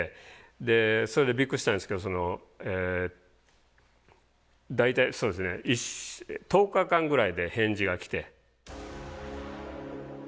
でそれでびっくりしたんですけど大体そうですね１０日間ぐらいで返事が来て。